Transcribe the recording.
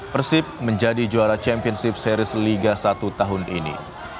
persib menjadi juara championship series liga satu tahun ini